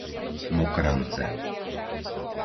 Mokrance